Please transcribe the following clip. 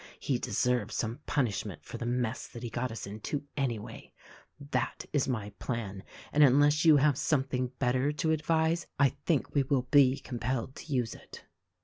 He deserves some punishment for the mess that he got us into, anyway. That is my plan, and unless you have something better to advise I think we will be compelled to use it."